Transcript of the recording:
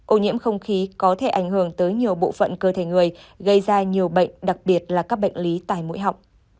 ô nhiễm không khí có thể ảnh hưởng tới nhiều bộ phận cơ thể người gây ra nhiều bệnh đặc biệt là các bệnh lý tài mũi họng